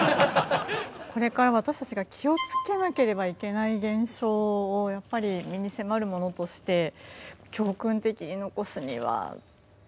これから私たちが気を付けなければいけない現象をやっぱり身に迫るものとして教訓的に残すには青なのかなっていう判断ですね。